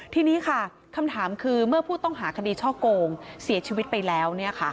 ทีนี้ค่ะคำถามคือเมื่อผู้ต้องหาคดีช่อโกงเสียชีวิตไปแล้ว